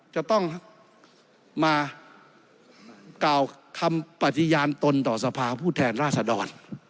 จะต้องมากล่าวคำปฏิญาณตนต่อสภาผู้แทนราษดร